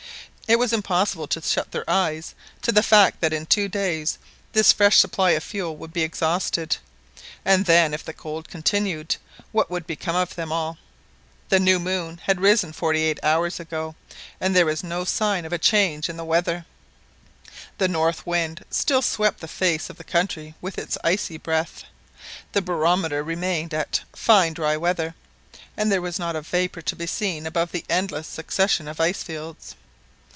It was impossible to shut their eyes to the fact that in two days this fresh supply of fuel would be exhausted, and then, if the cold continued, what would become of them all? The new moon had risen forty eight hours ago, and there was no sign of a change in the weather! The north wind still swept the face of the country with its icy breath; the barometer remained at " fine dry weather; "and there was not a vapour to be seen above the endless succession of ice fields.